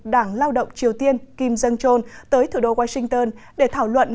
đảng lao động triều tiên kim jong chon tới thủ đô washington để thảo luận